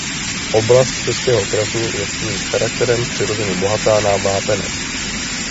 Oblast Českého krasu je svým charakterem přirozeně bohatá na vápenec.